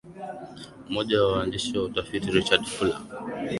mmoja wa waandishi wa utafiti Richard Fuller